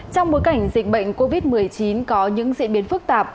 trong bối cảnh dịch bệnh covid một mươi chín có những diễn biến phức tạp